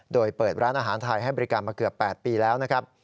โดยเปิดร้านอาหารไทยให้บริการมาเกือบ๘ปีแล้วนะครับ